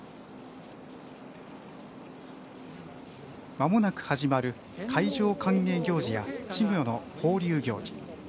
まもなく始まる海上歓迎行事や稚魚の放流行事。